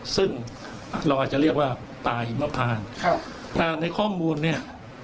ซึ่งเราอาจจะเรียกว่าป่าหิมพานในข้อมูลเนี่ย